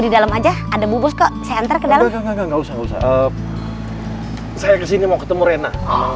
di dalam aja ada bu bos kok saya antar ke dalam nggak usah saya kesini mau ketemu rena